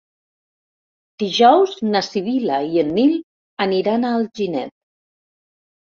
Dijous na Sibil·la i en Nil aniran a Alginet.